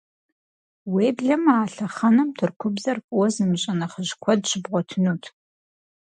Уеблэмэ а лъэхъэнэм Тыркубзэр фӀыуэ зымыщӀэ нэхъыжь куэд щыбгъуэтынут.